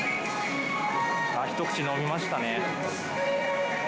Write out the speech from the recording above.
一口飲みましたね。